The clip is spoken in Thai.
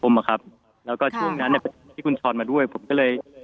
ผมอะครับแล้วก็ช่วงนั้นเนี่ยที่คุณช้อนมาด้วยผมก็เลย